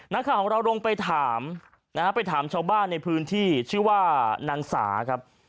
นักข่าวของเราลงไปถามนะฮะไปถามชาวบ้านในพื้นที่ชื่อว่านางสาครับ